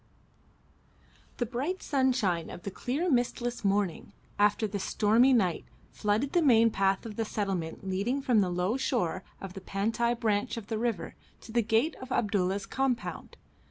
The bright sunshine of the clear mistless morning, after the stormy night, flooded the main path of the settlement leading from the low shore of the Pantai branch of the river to the gate of Abdulla's compound.